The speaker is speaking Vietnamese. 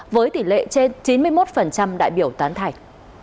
với tỷ lệ trên chín mươi một đại biểu tán thành